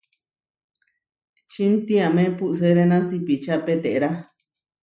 Čintiame puʼseréna sipiča peterá.